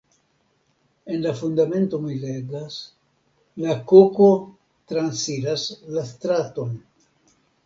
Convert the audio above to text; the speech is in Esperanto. En la Fundamento mi legas "la koko transiras la straton".